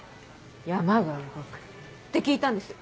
「山が動く」って聞いたんです。